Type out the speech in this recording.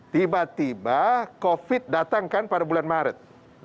tiba tiba covid datangkan pada bulan maret